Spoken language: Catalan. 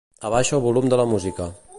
Abaixa el volum de la música.